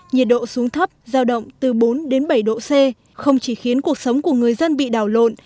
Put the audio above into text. nhiệt độ xuống thấp giao động từ bốn đến bảy độ c không chỉ khiến cuộc sống của người dân bị đào lộn